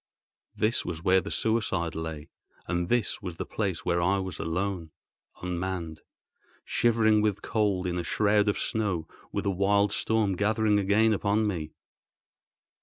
This was where the suicide lay; and this was the place where I was alone—unmanned, shivering with cold in a shroud of snow with a wild storm gathering again upon me!